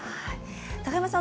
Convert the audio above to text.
高山さん